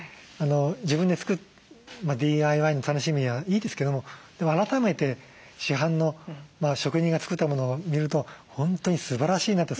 自分で作るＤＩＹの楽しみはいいですけどもでも改めて市販の職人が作ったものを見ると本当にすばらしいなって